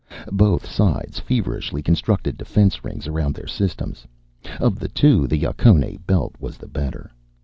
Both sides feverishly constructed defense rings around their systems. Of the two, the Yucconae belt was the better.